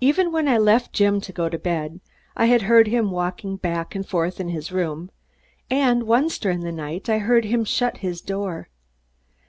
Even when I left Jim, to go to bed, I had heard him walking back and forth in his room, and once during the night, I heard him shut his door.